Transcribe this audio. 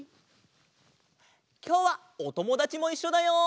きょうはおともだちもいっしょだよ！